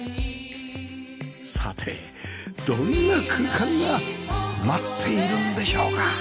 さてどんな空間が待っているんでしょうか？